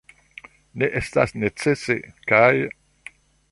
Ne estas necese, kaj.